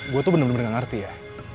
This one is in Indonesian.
gue tuh bener bener gak ngerti ya